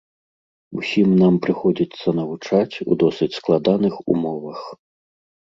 Усім нам прыходзіцца навучаць у досыць складаных умовах.